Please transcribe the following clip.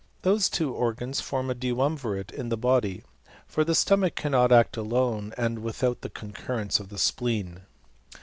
These two organs form a duumvirate in the body; for the stomach cannot act alone and without the concurrence of the spleen.